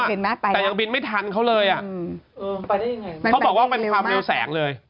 แต่ยังบินไม่ทันเค้าเลยอะเค้าบอกว่าไปเป็นความเร็วแสงเลย